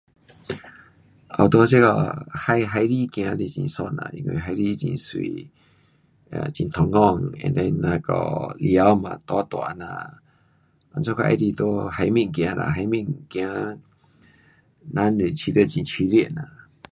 um 在这个海，海里走是很爽呐，因为海里会美，啊，很通风 and then 那个太阳也大大这样，因此我喜欢在海面走啦。海面走人就是觉得很舒服啦。